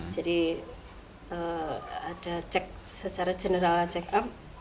jadi ada cek secara general check up